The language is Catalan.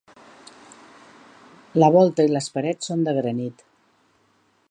La volta i les parets són de granit.